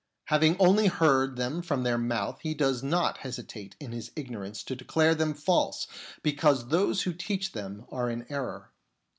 Having only heard them from their mouth he does not hesitate in his ignorance to declare them false because those who teach them are in error.